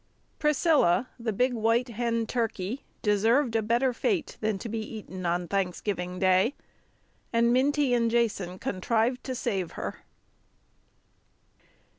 Priscilla, the big white hen turkey, deserved a better fate than to be eaten on Thanksgiving Day, and Minty and Jason contrived to save her.